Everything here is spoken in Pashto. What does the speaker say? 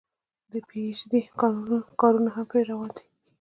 د پي ايچ ډي کارونه هم پرې روان دي